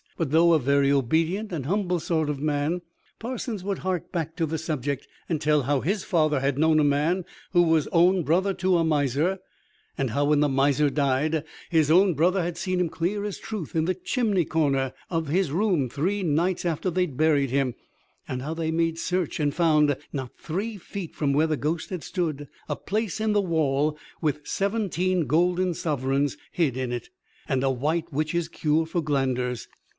But, though a very obedient and humble sort of man, Parsons would hark back to the subject, and tell how his father had known a man who was own brother to a miser; and how, when the miser died, his own brother had seen him clear as truth in the chimley corner of his room three nights after they'd buried him; and how they made search, and found, not three feet from where the ghost had stood, a place in the wall with seventeen golden sovereigns hid in it, and a white witch's cure for glanders.